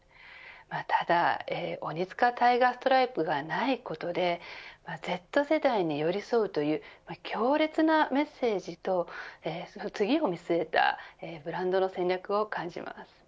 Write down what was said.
ただ、オニツカタイガーストライプがないことでＺ世代に寄り添うという強烈なメッセージと次を見据えたブランドの戦略を感じます。